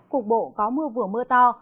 cuộc bộ có mưa vừa mưa to